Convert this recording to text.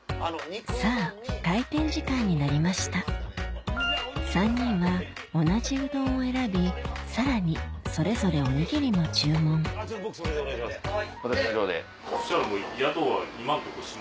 さぁ開店時間になりました３人は同じうどんを選びさらにそれぞれおにぎりも注文僕それでお願いします。